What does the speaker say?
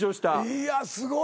いやすごい。